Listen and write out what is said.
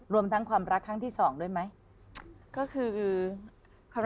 รวมทั้งความรักครั้งที่สองด้วยไหม